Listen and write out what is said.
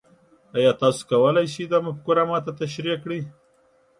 ایا تاسو کولی شئ دا مفکوره ما ته تشریح کړئ؟